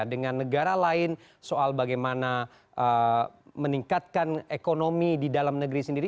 dengan negara lain soal bagaimana meningkatkan ekonomi di dalam negeri sendiri